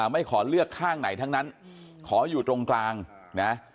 ไม่ขอเลือกข้างไหนทั้งนั้นขออยู่ตรงกลางนะ